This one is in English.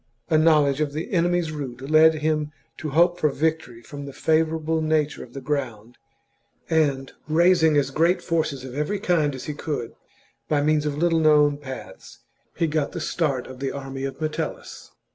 A knowledge of the enemy's route led him to hope for victory from the favourable nature of the ground, and, raising as great forces of every kind as he could, by means of little known paths he got the start of the army of Metellus.